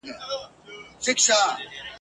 له زمري پاچا یې وکړله غوښتنه !.